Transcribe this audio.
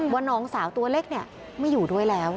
ว่าน้องสาวตัวเล็กไม่อยู่ด้วยแล้ว